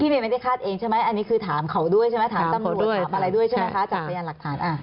ถามตำรวจถามอะไรด้วยใช่ไหมคะจากสัญญาณหลักฐานอ่ะถามเขาด้วยใช่ไหมอันนี้คือถามตำรวจถามอะไรด้วยใช่ไหมอันนี้คือถามสัญญาณหลักฐานอ่ะ